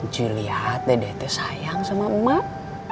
julia dedek itu sayang sama emak